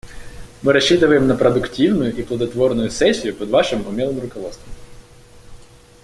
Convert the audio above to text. Мы рассчитываем на продуктивную и плодотворную сессию под вашим умелым руководством.